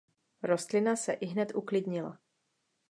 Rostlina se ihned uklidnila.